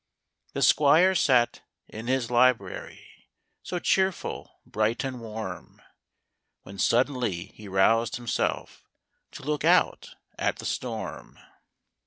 The Squire sat in his library So cheerful, bright, and warm, When suddenly he roused himself To look out at the storm.